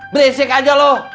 berisik aja lo